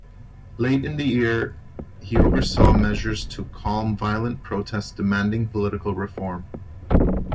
Late in the year he oversaw measures to calm violent protests demanding political reform.